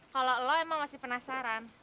kalau lo emang masih penasaran